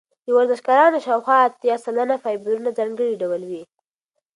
د ورزشکارانو شاوخوا اتیا سلنه فایبرونه ځانګړي ډول وي.